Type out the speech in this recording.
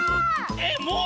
えっもう？